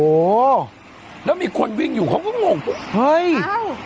โอ้โหแล้วมีคนวิ่งอยู่เขาก็งงปุ๊บเฮ้ยอ้าว